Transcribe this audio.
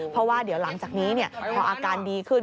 เพราะว่าเดี๋ยวหลังจากนี้พออาการดีขึ้น